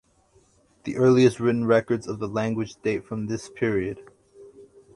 The earliest written records of the language date from this period.